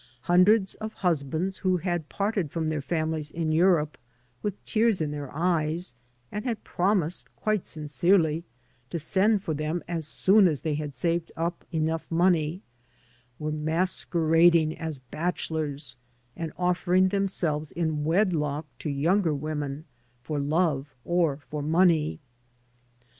Hundreds of husbands who had patted from th^iHaivilies in Europe wit& tears in their eyes, anrf had prptliised, quite sincerdy, to send for them a^ soon ^&^ they had saved up enough money, were masquerading as bachelors and offering themselves in wedlock to yoimger wonsen for love or for money.